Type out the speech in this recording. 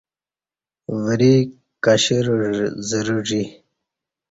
وری کشرہ زرہ ژی